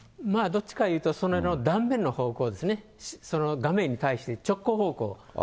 どっちかいうと、その断面の方向ですね、その画面に対して直行方向。